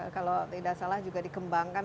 kalau tidak salah juga dikembangkan